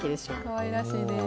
かわいらしいです。